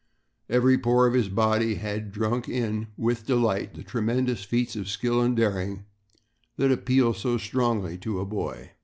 Every pore of his body had drunk in with delight the tremendous feats of skill and daring that appeal so strongly to a boy.